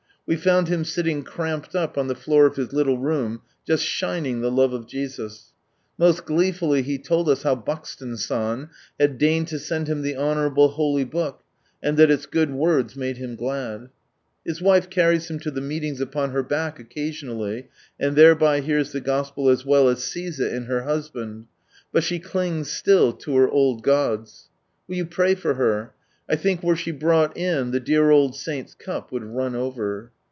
We found him sitting cramped up on the Hoor of his little room, just shining the love of Jesus. Most gleefully he told us how Buxton San had deigned to send him the honourable holy Book, and that its good words made him glad. His wife carries him to the meetings upon her back occasionally, and thereby hears the Gospel as well as sees it in her husband ; but she clings still to her old gods. Will you pray for her; I think were she brought in the dear old saint's cup would run over